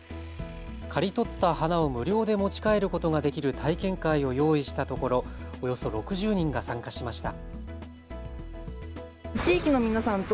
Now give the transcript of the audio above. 刈り取った花を無料で持ち帰ることができる体験会を用意したところ、およそ６０人が参加しました。